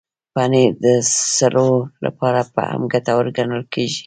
پنېر د سږو لپاره هم ګټور ګڼل شوی.